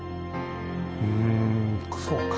うんそうか。